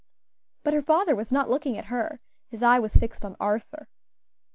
But her father was not looking at her; his eye was fixed on Arthur.